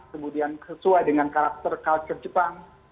kemudian sesuai dengan karakter culture jepang